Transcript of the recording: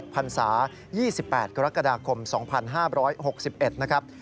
พันศา๒๘กรกฎาคม๒๕๖๑นะครับ